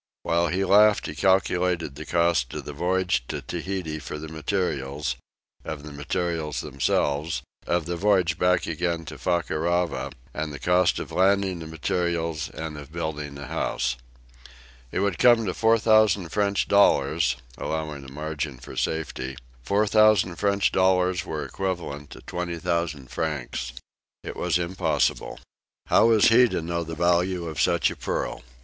While he laughed, he calculated the cost of the voyage to Tahiti for materials, of the materials themselves, of the voyage back again to Fakarava, and the cost of landing the materials and of building the house. It would come to four thousand French dollars, allowing a margin for safety four thousand French dollars were equivalent to twenty thousand francs. It was impossible. How was he to know the value of such a pearl?